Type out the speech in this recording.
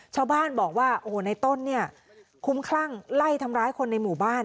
ชาวบ้านบอกว่าโอ้โหในต้นเนี่ยคุ้มคลั่งไล่ทำร้ายคนในหมู่บ้าน